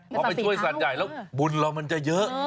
พอไปช่วยสัตว์ใหญ่แล้วบุญเรามันจะเยอะ